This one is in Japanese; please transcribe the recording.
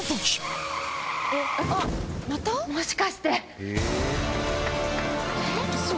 もしかして！